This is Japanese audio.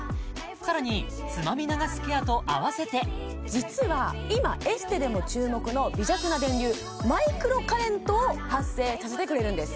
さらにつまみ流すケアとあわせて実は今エステでも注目の微弱な電流マイクロカレントを発生させてくれるんです